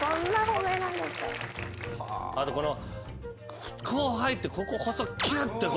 あとこの。